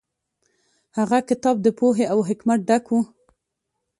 هغه کتاب د پوهې او حکمت ډک و.